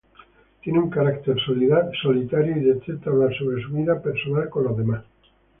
Tiene un carácter solitario, y detesta hablar sobre su vida personal con los demás.